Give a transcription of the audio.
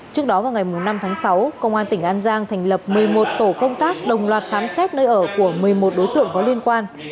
trước đó vào ngày năm tháng sáu công an tỉnh an giang thành lập một mươi một tổ công tác đồng loạt khám xét nơi ở của một mươi một đối tượng có liên quan